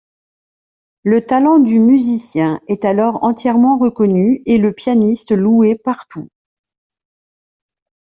Le talent du musicien est alors entièrement reconnu et le pianiste loué partout.